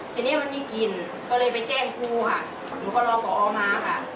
ทีนี้มันมีกลิ่นก็เลยไปแจ้งครูค่ะหนูก็รอพอมาค่ะ